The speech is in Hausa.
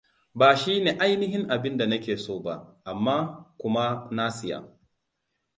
Ba shine ainihin abinda na ke soba, amma kuma na siya.